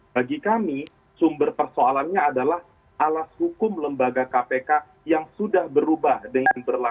bagi kami sumber persoalannya adalah alas hukum lembaga kpk yang sudah berubah dengan berlaku